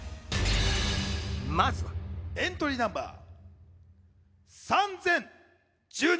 まずはエントリーナンバー３０１２